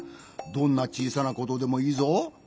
どんなちいさなことでもいいぞ。